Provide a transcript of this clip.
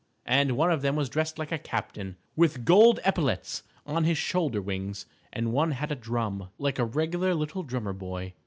And one of them was dressed like a captain, with gold epaulets on his shoulder wings, and one had a drum, like a regular little drummer boy.